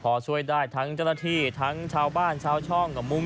พอช่วยได้ทั้งเจ้าหน้าที่ทั้งชาวบ้านชาวช่องกับมุม